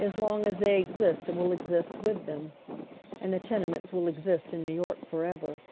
As long as they exist it will exist with them. And tlie tenements will exist in Kew York for ever.